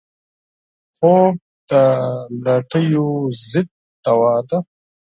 خوب د لټیو ضد دوا ده